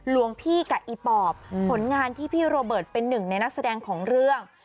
หลวงพี่กับอีปอบผลงานที่พี่โรเบิร์ตเป็นหนึ่งในนักแสดงของเรื่อง